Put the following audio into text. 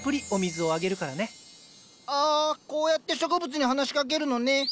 ああこうやって植物に話しかけるのね。